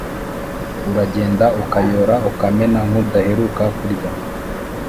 Uragenda ukayora ukamera nkudaheruka kurya